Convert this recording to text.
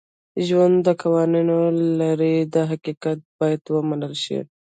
ژوند دوه قوانین لري دا حقیقت باید ومنل شي.